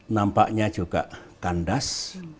nampaknya juga kandas